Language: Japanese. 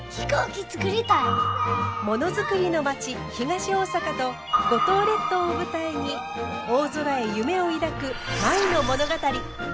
ものづくりの町東大阪と五島列島を舞台に大空へ夢を抱く舞の物語。